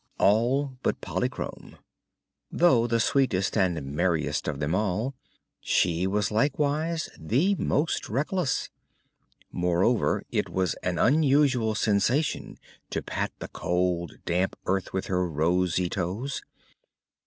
All but Polychrome. Though the sweetest and merriest of them all, she was likewise the most reckless. Moreover, it was an unusual sensation to pat the cold, damp earth with her rosy toes.